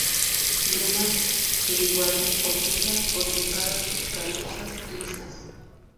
Glumas subiguales, obtusas o truncadas, escariosas, lisas.